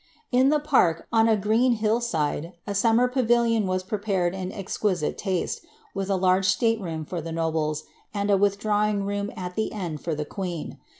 lie park, on a green hill side, a summer pavilion was prepared in ite taste, with a large state room for the nobles, and a withdraw* Mn, at the end, for the queen.